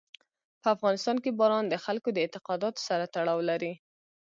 په افغانستان کې باران د خلکو د اعتقاداتو سره تړاو لري.